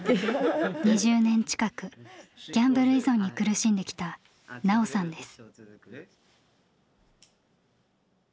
２０年近くギャンブル依存に苦しんできたナオさんです。